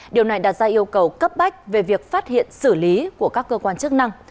điều này đặt ra yêu cầu cấp bách về việc phát hiện xử lý của các cơ quan chức năng